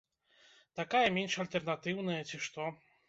Такая менш альтэрнатыўная, ці што.